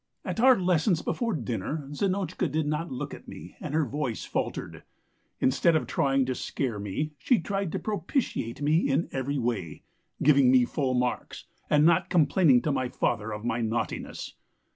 "At our lessons before dinner Zinotchka did not look at me, and her voice faltered. Instead of trying to scare me she tried to propitiate me in every way, giving me full marks, and not complaining to my father of my naughtiness.